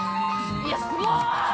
いやすごい！